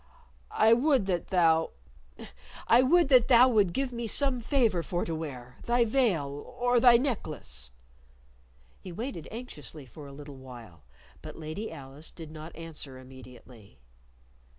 "I would that thou I would that thou would give me some favor for to wear thy veil or thy necklace." He waited anxiously for a little while, but Lady Alice did not answer immediately.